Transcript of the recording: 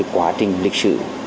quá trình lịch sử